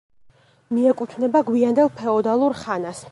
მიეკუთვნება გვიანდელ ფეოდალურ ხანას.